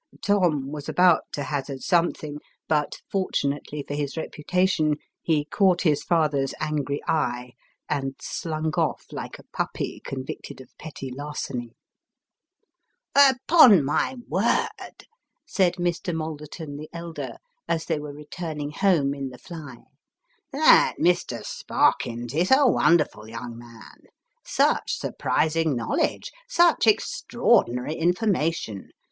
Tom was about to hazard something, but, fortunately for his reputation, he caught his father's angry eye, and slunk off like a puppy convicted of petty larceny. 272 Sketches by Boz. "Upon my word," said Mr. Malderton the elder, as they were returning home in the fly, " that Mr. Sparkins is a wonderful young man. Such surprising knowledge! such extraordinary information!